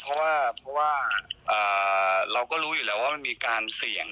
เพราะว่าเราก็รู้อยู่แล้วว่ามันมีการเสี่ยง